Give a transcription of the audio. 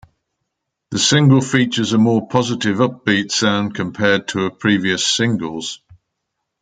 The single features a more positive upbeat sound compared to her previous singles.